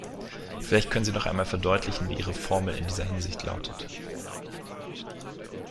Vielleicht können Sie noch einmal verdeutlichen, wie Ihre Formel in dieser Hinsicht lautet.